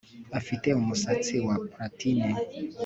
Afite umusatsi wa platine